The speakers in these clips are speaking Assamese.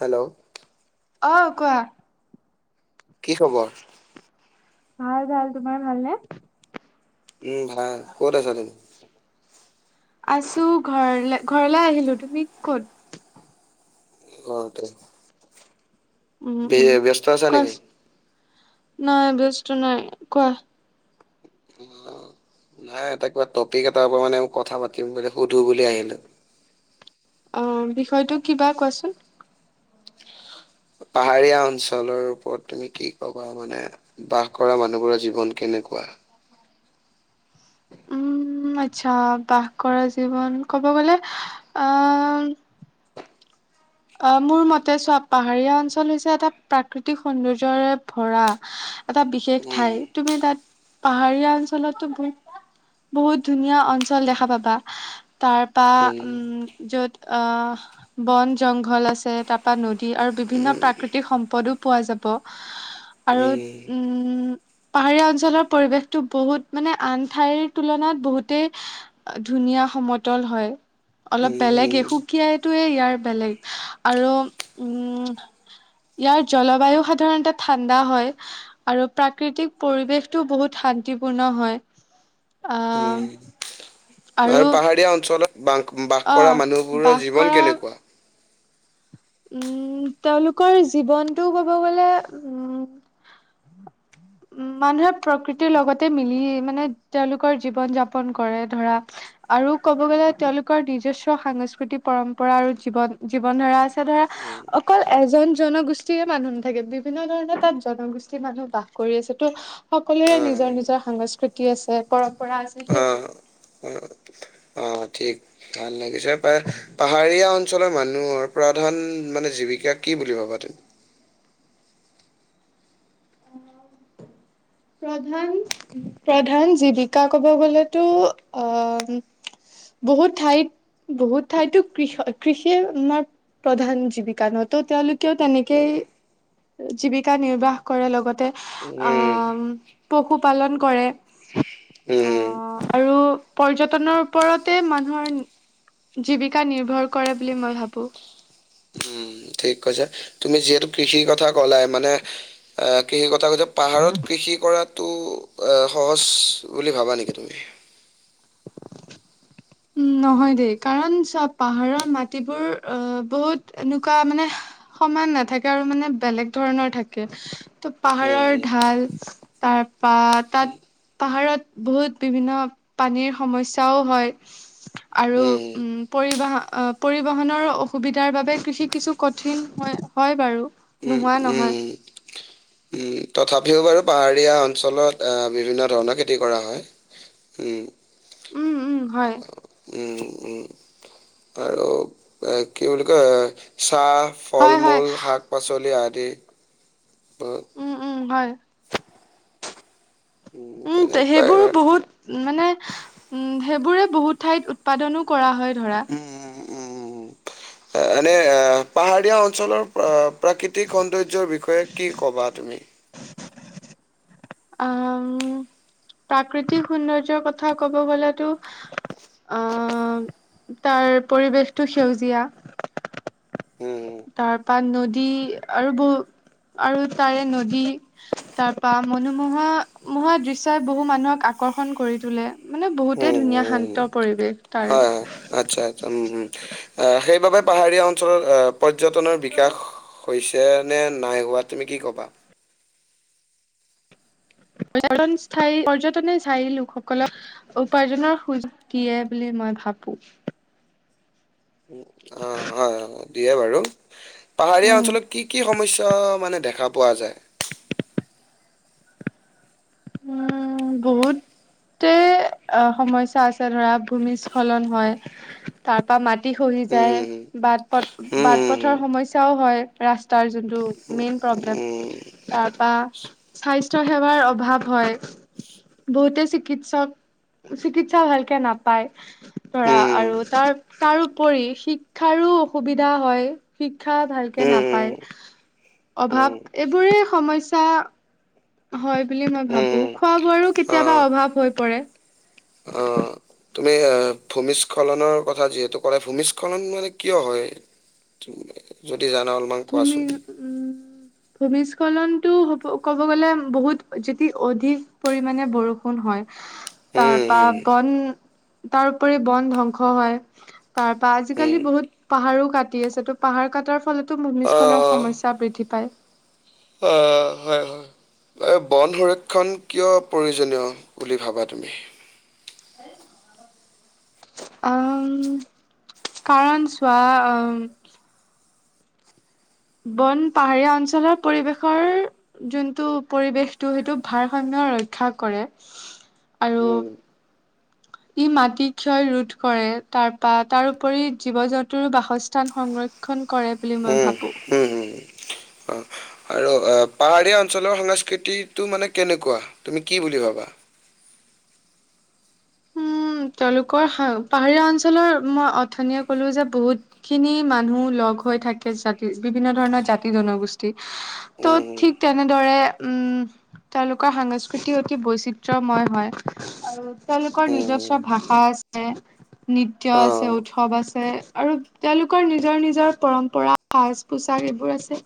হেল্ল'? অ' কোৱা। কি খবৰ? ভাল - ভাল। তোমাৰ ভালনে? উম, ভাল। ক'ত আছ তুমি? আছোঁ। ঘৰলৈ- ঘৰলৈ আহিলোঁ। তুমি ক'ত? ঘৰতে। উম - বি উম, ব্যস্ত আছা নেকি? কচ- নাই, ব্যস্ত নাই, কোৱা। [unintelligible] নাই, এটা কিবা টপিক এটাৰ পৰা মানে ম- কথা পাতিম বুলি সুধো বুলি আহিলোঁ। অ' বিষয়টো কিবা, কোৱাচোন। পাহাৰীয়া অঞ্চলৰ ওপৰত তুমি কি কবা? মানে বাস কৰা মানুহবোৰৰ জীৱন কেন নেকুৱা? [unintelligible] উম, আচ্ছা। বাস কৰা জীৱন, কব গ'লে অ' অ' মোৰ মতে চোৱা, পাহাৰীয়া অঞ্চল হৈছে এটা প্ৰাকৃতিক সৌন্দৰ্যৰে ভৰা এটা বিশেষ উম ঠাই। তুমি তাত পাহাৰীয়া অঞ্চলতো বো- বহুত ধুনীয়া অঞ্চল দেখা পাবা। তাৰপা উম, য'ত অ'- বন জংঘল আছে, তাৰপা নদ দী আৰু বিভিন্ন প্ৰাকৃতিক সম্ পদো পোৱা যাব আৰু উম উম পাহাৰীয়া অঞ্চলৰ পৰিৱেশটো বহুত। হুত মানে আন ঠাইৰ তুলনাত বহুতেই ধুনীয়া সমতল হয়। অলপ উম উম বেলেগে সুকীয়াটোয়ে ইয়াৰ বেলেগ আৰু উম। ইয়াৰ জলবায়ু সাধাৰণতে ঠাণ্ডা হয় আৰু প্ৰাকৃতিক পৰিবেশতো বহুত শান ন্তিপূৰ্ণ হয় আ। উম। আৰু পাহাৰীয়া অঞ্চলত বাস কৰা অ' মানুহবোৰৰ বাস জীৱন কৰা কেনেকুৱা। উম তেওঁলোকৰ জীৱনটো কব গলে উম। [unintelligible] উ মানুহে প্ৰকৃতিৰ লগতে মিলি মানে তেওঁলোকৰ জীৱন যাপন কৰে ধৰা আৰু ক'ব গ'লে তেওঁলোকৰ নিজস্ব সাংস্কৃতিক পৰম্পৰা আৰু জীৱন জীৱন ধৰা। এ ধৰা উম অকল এজন জনগোষ্ঠীৰে মানুহ নাথাকে বিভিন্ন ধৰণৰ তাত জনগোষ্ঠীৰ মানুহ বাস। কৰি আছে তো সকলোৰে নিজৰ নিজৰ সংস্কৃতি আছে পৰম্পৰা আছে অ সেইটোৱেই অ। অ ঠিক ভাল লাগিছে। প পাহাৰীয়া অঞ্চলৰ মানুহৰ প্ৰধান মানে জীৱিকা, কি বুলি ভাবা তুমি? প্ৰধান প্ৰধান জীৱিকা ক'ব গলেতো অহ, বহুত ঠাইত বহুত ঠাইতো কৃষ কৃষিয়ে আমাৰ, প্ৰধান জীৱিকা, নতো তেওঁলোকেও তেনেকেই জীৱিকা নিৰ্বাহ কৰে, লগতে উম, আ পশুপালন কৰে আহ। উম, আৰু পৰ্যটনৰ ওপৰতে মানুহৰ, জীৱিকা নিৰ্ভৰ কৰে বুলি মই ভাবো। উম, ঠিক কৈছে। তুমি যিহেতু কৃষিৰ কথা ক'লাই মানে এ কৃষি ক কৈ পাহাৰত কৃষি কৰাতটো এ সহজ বুলি ভাবা নিকি তুমি? [unintelligible] উম নহয় দেই, কাৰণ চোৱা পাহাৰৰ মাটিবোৰ অ বহুত এনেকুৱা মানে সমান নাথাকে আৰু মানে বেলেগ ধৰণৰ থাকে। ত পাহাৰৰ উম, ঢাল, তাৰপা তাত পাহাৰত বহুত বিভিন্ন পানীৰ সমস্যাও হয়। আৰু উম পৰিবাহা পৰিবহণৰ অসুবিধাৰ বাবে কৃষি কিছু কঠিন হয় হয় বাৰু। উম নোহোৱা উম নহয় উ। তথাপিও বাৰু পাহাৰীয়া অঞ্চলত বিভিন্ন ধৰণৰ খেতি কৰা হয়। উম। উম উম হয়। উম উম ত আ কি বুলি কয়। চাহ, ফল হয়, - হয় মূল, শাক পাচলি আদি। উম, উম হয়। উম ত তেনেকুৱাই সেইবোৰ আৰু। বহুত মানে উম, সেইবোৰে বহুত ঠাইত উৎপাদনো কৰা হয়। ধৰা। উম উম উম উম। এনে এ পাহাৰীয়া অঞ্চলৰ প্ৰাকৃতিক সৌন্দৰ্যৰ বিষয়ে কি ক'বা? তুমি। অ প্ৰাকৃতিক সৌন্দৰ্যৰ কথা ক'ব গলেতো, আহ তাৰ পৰিৱেশটো সেউজীয়া। উম তাৰপা নদী আৰু বহু- আৰু তাৰে নদী তাৰপা মনোমোহা মোহা দৃশ্যই বহু মানুহক আ- আকৰ্ষণ কৰি তোলে। মানে বহুতে উম ধুনীয়া উম শান্ত পৰিৱেশ তাৰে। হয় হয় আচ্ছা আচ্ছা উম। সেইবাবে পাহাৰীয়া অঞ্চলৰ আহ- পৰ্যটনৰ বিকাশ হৈছে নে নাই হোৱা তুমি কি ক'বা? পৰ্যটন স্থায়ী পৰ্যটনে স্থায়ী লোকসকলক উপাৰ্জনৰ সুযোগ দিয়ে বুলি, মই ভাবো। [inaudible] অ হয় দিয়ে বাৰু। পাহাৰীয়া উম। অঞ্চলত কি কি সমস্যা মানে দেখা পোৱা যায়? উম বহুত, সমস্যা আছে, ধৰা ভূমিস্খলন হয়, তাৰ পৰা মাটি খহি উম যায়, উম উম। বাট পথ বাট পথৰ সমস্যাও হয়, ৰাস্তাৰ যোনটো মেইন প্ৰবলেম, স্বাস্থ্য সেৱাৰ অভাৱ। হয়। বহুতে চিকিৎসক, চিকিৎসা ভালকে নাপায়। ধৰা আৰু তাৰ তাৰওপৰি শিক্ষাৰো, অসুবিধা হয়, শিক্ষা ভালকে নাপায়। অভাৱ এইবোৰে সমস্যা, হয় বুলি মই ভাবো খোৱা বোৱাৰো আ কেতিয়াবা অভাৱ হব পৰে। আ তুমি এ ভূমিস্খলনৰ কথা যিহেতু কলা ভূমিস্খলন মানে কিয় হয়? উম [unintelligible] ভুমি উম ভূমিস্খলন টো হ'ব ক'ব গ'লে বহুত যদি অধিক পৰিমমানে বৰষুণ হয় হুম, তাৰপা হুম, বন তাৰ উপৰি বন ধ্বংস হয়। তাৰ পৰা হুম। আজিকালি বহুত পাহাৰো কাটি আছে ত' পাহাৰ কাটাৰ ফলত। অ, ভূমিস্খলন সমস্যা বৃদ্ধি পায়। অ হয়, হয়। এই বন সংৰক্ষণ কিয় প্ৰয়োজনীয় বুলি ভাবা তুমি। উম কাৰণ চোৱা উম বন পাহাৰীয়া অঞ্চলৰ পৰিৱেশৰ যোনটো পৰিৱেশটো সেইটো ভাৰসাম্য ৰক্ষা কৰে আৰু হুম, ই মাটি ক্ষয় ৰোধ কৰে তাৰপা তাৰপৰি জীৱ জন্তুৰো বাসস্থান সংৰক্ষণ। কৰে বুলি মই হুম, ভাবো। হুম, হুম। অ আৰু আ পাহাৰীয়া অঞ্চলৰ সংস্কৃতিটো মানে কেনেকুৱা তুমি কি বুলি ভাবা? [inaudible] [inaudible] উ তেওঁলোকৰ পাহাৰীয়া অঞ্চলৰ মই অথনিয়ে ক'লো যে বহুত খিনি মানুহ লগ হৈ থাকে জাতি বিভিন্ন ধৰণৰ জাতি জনগোষ্ঠী ত' হুম, হুম। ঠিক তেনেদৰে। তেওঁলোকৰ সাংস্কৃতি অতি বৈচিত্ৰময় হয় আৰু তেওঁলোকৰ নিজস্ব উম, ভাষা আছে, নৃত্য আছে, অ', উৎসৱ আছে আৰু তেওঁলোকৰ নিজৰ, নিজৰ পৰম্পৰা সাজ পোছাক এইবোৰ আছে।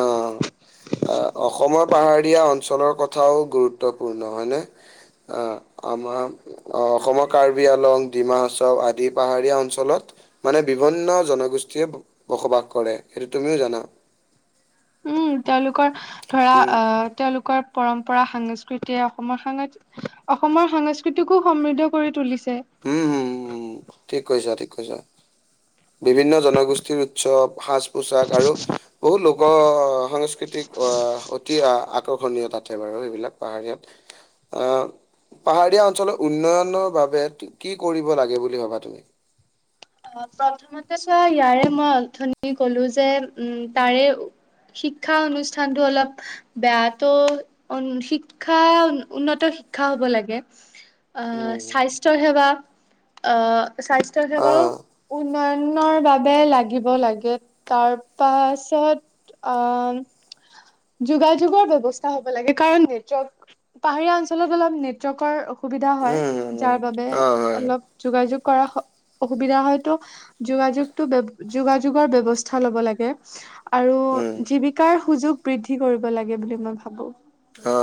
অ অসমৰ পাহাৰীয়া অঞ্চলত অঞ্চলৰ কথাও গুৰুত্বপূৰ্ণ হয়নে আমাৰ। অ অসমৰ কাৰ্বি আলং ডিমা হাছাও আদি পাহাৰীয়া অঞ্চলত মানে বিভিন্ন জনগোষ্ঠীয়ে বসবাস কৰে। সেইটো তুমিও জানা। উম তেওঁলোকৰ ধৰা উম, অ তেওঁলোক- পৰম্পৰা সংস্কৃতিয়ে অসমৰ সাং অসমৰ সংস্কৃতিকো সমৃদ্ধ কৰি তুলিছে। উম ঠিক কৈছা, ঠিক কৈছা বিভিন্ন জনগোষ্ঠীৰ উৎসৱ সাজ পোচাক আৰু বহুত লোকৰ সংস্কৃতিক আহ অতি আকৰ্ষণীয়। নীয় তাতে বাৰু সেইবিলাক পাহাৰীয়াত আহ পাহাৰীয়া অঞ্চলৰ উন্নয়নৰ বাবে কি কৰিব লাগে বুলি ভাবা তুমি? অ প্ৰথমতে চোৱা ইয়াৰে মই অথনি কলো যে উম তাৰে শিক্ষা অনুষ্ঠানতটো অলপ বেয়া তো উ শিক্ষা উন্নত শিক্ষা হ'ব লাগে। আহ স্বাস্থ্য সেৱা, আহ স্বাস্থ্য সেৱাও আহ উন্নয়নৰ বাবে লাগিব লাগে তাৰ পাছত। আহ যোগাযোগৰ ব্যৱস্থা হ'ব লাগে কাৰণ নেটৱৰ্ পাহাৰীয়া অঞ্চলত অলপ নেটৱৰ্কৰ সুবিধা হয় উম উম যাৰ বাবে অ হয় অলপ যোগাযোগ কৰা অসুবিধা হয়। যোগাযোগটো, যোগাযোগৰ ব্যৱস্থা লব লাগে। আৰু উম জীৱিকাৰ সুযোগ বৃদ্ধি কৰিব লাগে বুলি মই ভাবোঁ। অ, অ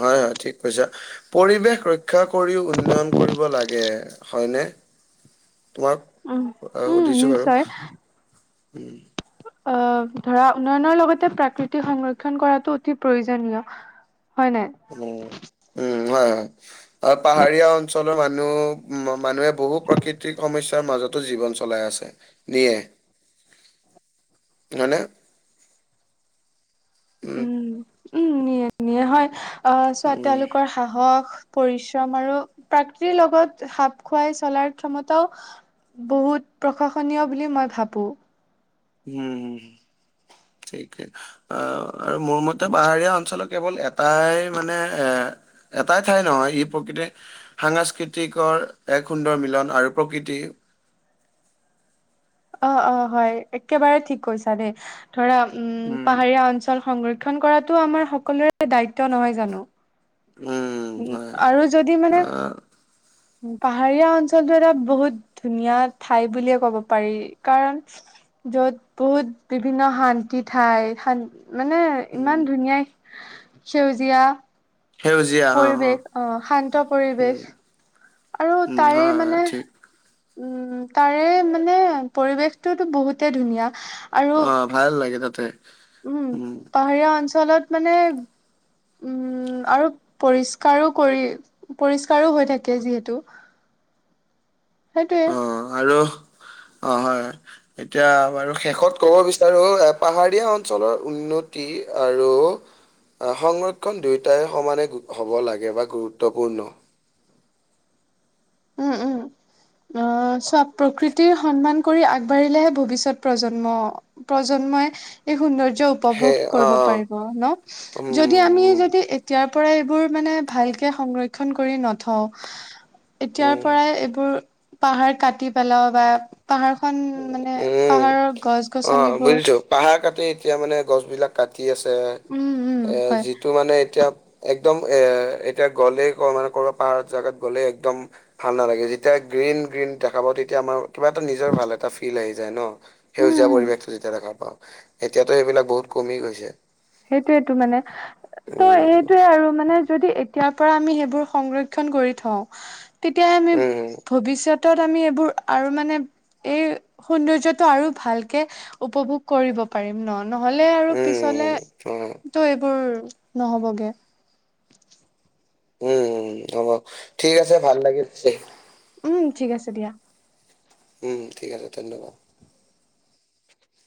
হয়, হয় ঠিক কৈছা পৰিৱেশ ৰক্ষা কৰিও উন্নয়ন কৰিব লাগে। হয়নে তোমাক উম উম সুধিছো বাৰু? নিশ্চয় উম আহ ধৰা উন্নয়নৰ লগতে প্ৰাকৃতিক সংৰক্ষণ কৰাটো অতি প্ৰয়োজনীয়। হয় উম নাই। উম হয়, হয় পাহাৰীয়া অঞ্চলৰ মানুহ, মানুহে বহু প্ৰাকৃতিক সমস্যাৰ মাজতো জীৱন চলাই আছে নিয়ে। হয়নে উম উম নিয়ে নিয়ে হয় চোৱা উম তেওঁলোকৰ সাহস পৰিশ্ৰম আৰু প্ৰাকৃতিৰ লগত খাপ খুৱাই চলাৰ ক্ষমতাও বহুত প্ৰশংসনীয় বুলি মই ভাবোঁ হুম ঠিকেই অ আৰু মোৰ মতে পাহাৰীয়া অঞ্চলৰ কেৱল এটাই মানে এ এটাই ঠাই নহয় ই প্ৰকৃতি সাংস্কৃতিকৰ এক সুন্দৰ মিলন আৰু প্ৰকৃতি [unintelligible] অ অ হয় একেবাৰে ঠিক কৈছা দেই ধৰা উম পাহাৰীয়া অঞ্চল সংৰক্ষণ কৰাতটো আমাৰ সকলোৰে দায়িত্ব নহয় জানো উম আৰু যদি মানে আহ পাহাৰীয়া অঞ্চলটো এটা বহুত ধুনীয়া ঠাই বুলিয়ে ক'ব পাৰি কাৰণ যত বহুত বিভিন্ন শান্তি ঠাই শান্তি মানে উম ইমান ধুনীয়া সেউজীয়া সেউজীয়া অ পৰিৱেশ অ শান্ত উম পৰিৱেশ আৰু উম তাৰে হয় হয় মানে ঠিক উম তাৰে মানে পৰিৱেশটোতো বহুতে ধুনীয়া আৰু অ ভাল লাগে তাতে উম পাহাৰীয়া অঞ্চলত মানে উম আৰু পৰিষ্কাৰো কৰি পৰিষ্কাৰো হৈ থাকে যিহেতু [unintelligible] সেইটোৱে অ', [unintelligible] অ হয় এতিয়া বাৰু শেষত ক'ব বিচাৰো পাহাৰীয়া অঞ্চলৰ উন্নতি আৰু সংৰক্ষণ দুয়োটাই সমানে হ'ব লাগে বা গুৰুত্বপূৰ্ণ উম উম [unintelligible] আহ চোৱা প্ৰকৃতিৰ সন্মান কৰি আগবাঢ়িলেহে ভৱিষ্যত প্ৰজন্ম প্ৰজন্মই এই সুন্দৰ সেই উপভোগ কৰিব অ', পাৰিব ন উম, যদি আমি উম, যাতে এতিয়া পৰা এইবোৰ মানে ভালকে সংৰক্ষন কৰি নথওঁ এতিয়াৰ উম। পৰাই এইবোৰ পাহাৰ কাটি পেলাও বা পাহাৰখন মানে উম পাহাৰৰ গছ অ গছনিবোৰ বুজিছো পাহাৰ কাটি এতিয়া মানে গছ বিলাক কাটি উম উম হয় যিটো মানে এতিয়া একদম এ এতিয়া গ'লে মানে ক'ৰ পাহাৰ জাত গ'লে একদম ভাল নালাগে যেতিয়া গ্ৰীণ গ্ৰীণ দেখাব তেতিয়া আমাৰ কিবা এটা নিজৰ ভাল এটা ফিল আহি যায় ন উম সেউজীয়া উম পৰিৱেশতো যেতিয়া দেখা পাও এতিয়াতো সেইবিলাক বহুত কমি গৈছে সেইটোয়েতটো মানে ত' উম এইটোয়ে আৰু মানে। যদি এতিয়াৰ পৰা আমি সেইবোৰ সংৰক্ষণ কৰি থওঁ তেতিয়া আমি উম ভৱিষ্যত ত আমি এইবোৰ আৰু মানে এই সৌন্দৰ্যটো আৰু ভালকে উপভোগ কৰিব পাৰিম ন নহলে আৰু পিছলে উম উম অ তটো এইবোৰ নহবগে। উম হ'ব ঠিক আছে ভাল লাগিল উম ঠিক আছে দিয়া। উম ঠিক আছে ধন্যবাদ।